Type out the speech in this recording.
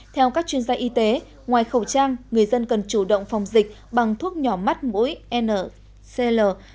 theo các chuyên gia y tế ngoài khẩu trang người dân cần chủ động phòng dịch bằng thuốc nhỏ mắt mũi ncl